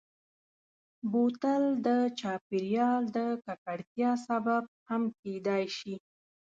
بوتل د چاپېریال د ککړتیا سبب هم کېدای شي.